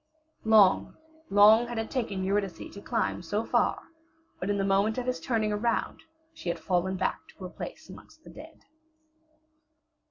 Long, long had it taken Eurydice to climb so far, but in the moment of his turning around she had fallen back to her place amongst the dead.